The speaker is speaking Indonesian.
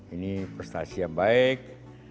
ini prestasi yang baik